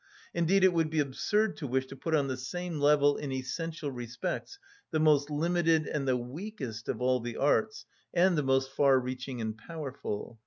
Indeed it would be absurd to wish to put on the same level in essential respects the most limited and the weakest of all the arts, and the most far‐reaching and powerful.